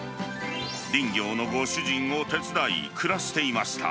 林業のご主人を手伝い、暮らしていました。